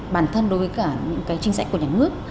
bản thân đối với cả những trinh sạch của nhà nước